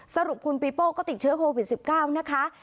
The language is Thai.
สรุปคุณปีโป้ก็ติดเชื้อโควิด๑๙นะคะ